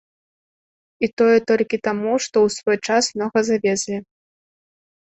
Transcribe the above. І тое толькі таму, што ў свой час многа завезлі.